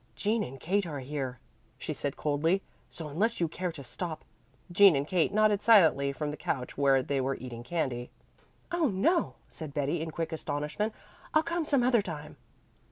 "Jean and Kate are here," she said coldly, "so unless you care to stop " Jean and Kate nodded silently from the couch where they were eating candy. "Oh, no," said Betty in quick astonishment. "I'll come some other time."